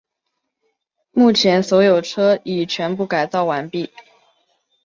目前所有车已全部改造完毕。